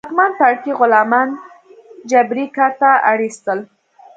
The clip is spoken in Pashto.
واکمن پاړکي غلامان جبري کار ته اړ اېستل.